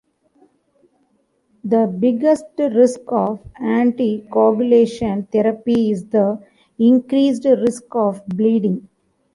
The biggest risk of anticoagulation therapy is the increased risk of bleeding.